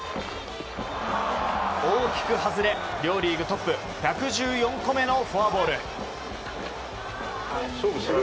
大きく外れ、両リーグトップ１１４個目のフォアボール。